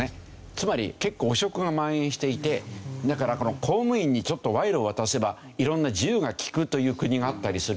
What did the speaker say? つまり結構汚職がまん延していてだから公務員にちょっとワイロを渡せば色んな自由がきくという国があったりするわけですよ。